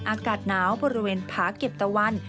อากาศหนาวบริเวณผาเก็บตะวัน